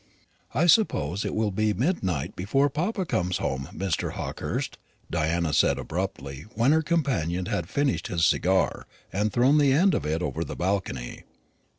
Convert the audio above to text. "I suppose it will be midnight before papa comes home, Mr. Hawkehurst," Diana said abruptly, when her companion had finished his cigar, and had thrown the end of it over the balcony.